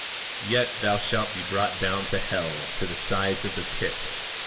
24:15 Yet thou shalt be brought down to hell, to the sides of the pit.